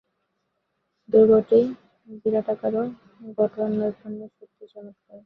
দুর্গটি বিরাটাকার ও গঠননৈপুণ্যে সত্যিই চমৎকার।